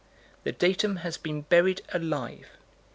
The datum has been buried alive.